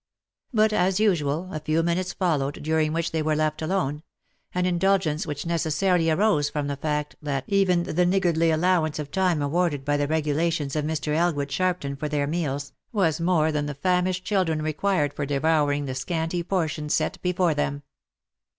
But, as usual, a few minutes followed, during which they were left alone — an indulgence which necessarily arose from the fact, that even the niggardly allow ance of time awarded by the regulations of Mr. Elgood Sharpton for their meals, was more than the famished children required for devour ing the scanty portion set before them.